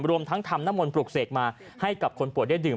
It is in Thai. รวมทั้งทำน้ำมนต์ปลูกเสกมาให้กับคนป่วยได้ดื่ม